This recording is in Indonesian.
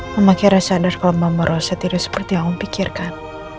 mama kira sadar kalau mama rosa tidak seperti yang om pikirkan